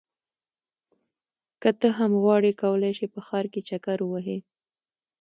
که ته هم غواړې کولی شې په ښار کې چکر ووهې.